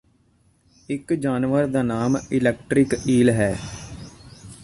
ਇਕ ਜਾਨਵਰ ਦਾ ਨਾਮ ਅਲੈਕਟਰਿਕ ਈਲ ਹੈ